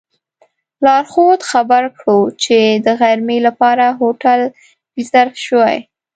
لارښود خبر کړو چې د غرمې لپاره هوټل ریزرف شوی.